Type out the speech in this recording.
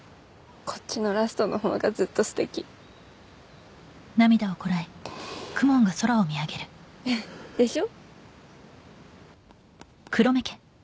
こっちのラストのほうがずっとすてきでしょ？